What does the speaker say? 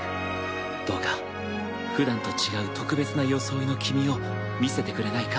どうかふだんと違う特別な装いの君を見せてくれないか？